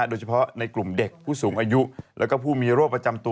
โดยเฉพาะในกลุ่มเด็กผู้สูงอายุแล้วก็ผู้มีโรคประจำตัว